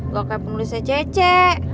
lo kayak pengulisnya cece